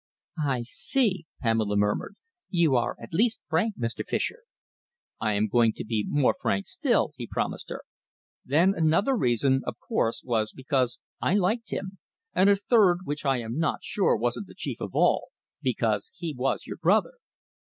"I see," Pamela murmured. "You are at least frank, Mr. Fischer." "I am going to be more frank still," he promised her. "Then another reason, of course, was because I liked him, and a third, which I am not sure wasn't the chief of all, because he was your brother."